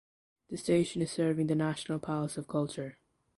The station is serving the National Palace of Culture.